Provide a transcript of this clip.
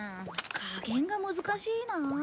加減が難しいな。